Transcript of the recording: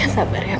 sabar ya pas